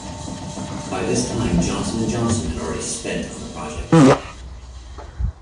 By this time, Johnson and Johnson had already spent on the project.